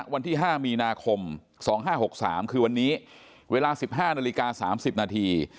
วันที่๕มีนาคม๒๕๖๓คือวันนี้เวลา๑๕นาฬิกา๓๐นาที